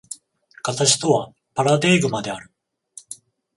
形とはパラデーグマである。